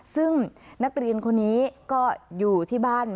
ซึ่งนักเรียนคนนี้ก็อยู่ที่บ้าน